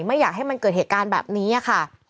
ไม่อยากให้มันเกิดเหตุการณ์แบบนี้ค่ะ